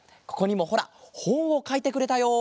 ここにもほらほんをかいてくれたよ！